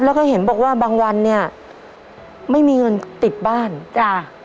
แล้วก็เห็นบอกว่าบางวันเนี่ยไม่มีเงินติดบ้านจ้ะ